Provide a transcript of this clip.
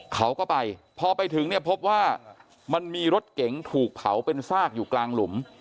เขาก็ไปพอไปถึงเนี่ยพบว่ามันมีรถเก๋งถูกเผาเป็นซากอยู่กลางหลุม